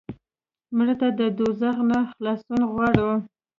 مړه ته د دوزخ نه خلاصون غواړو